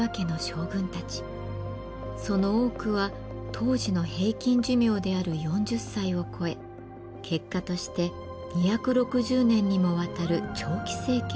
その多くは当時の平均寿命である４０歳を超え結果として２６０年にもわたる長期政権を維持することができたのです。